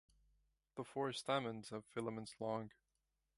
The four stamens have filaments long.